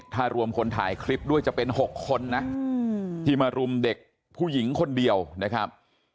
ถ้ารวมคนถ่ายคลิปด้วยจะเป็น๖คนนะที่มารุมเด็กผู้หญิงคนเดียวนะครับ